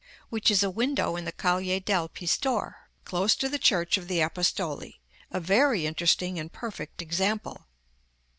which is a window in the Calle del Pistor, close to the church of the Apostoli, a very interesting and perfect example.